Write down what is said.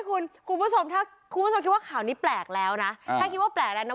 คุณผู้ชมถ้าคุณผู้ชมคิดว่าข่าวนี้แปลกแล้วนะถ้าคิดว่าแปลกแล้วนะ